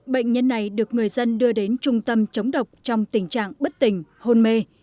bệnh nhân này được người dân đưa đến trung tâm chống độc trong tình trạng bất tình hôn mê